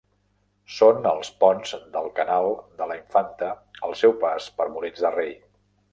Són els ponts del Canal de la Infanta al seu pas per Molins de Rei.